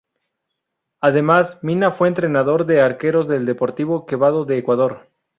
Además, Mina fue entrenador de arqueros del Deportivo Quevedo de Ecuador.